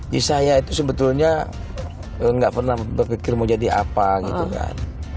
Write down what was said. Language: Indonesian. di saya itu sebetulnya nggak pernah berpikir mau jadi apa gitu kan